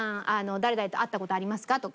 誰々と会った事ありますか？とか。